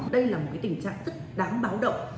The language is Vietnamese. đây là một tình trạng rất đáng báo động